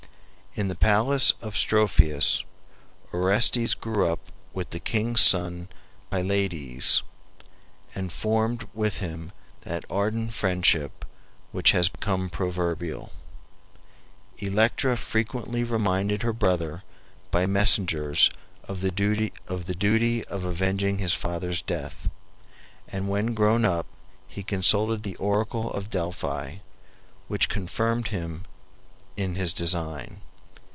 In the palace of Strophius Orestes grew up with the king's son Pylades, and formed with him that ardent friendship which has become proverbial. Electra frequently reminded her brother by messengers of the duty of avenging his father's death, and when grown up he consulted the oracle of Delphi, which confirmed him in his design.